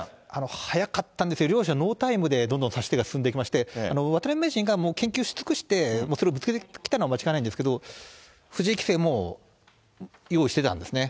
速かったんですよ、両者ノータイムでどんどん指し手が進んでいきまして、渡辺名人が研究し尽くして、それをぶつけてきたのは間違いないんですけど、藤井棋聖も用意してたんですね。